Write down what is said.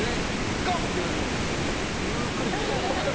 ゴーって言われてもゆっくりと、こう。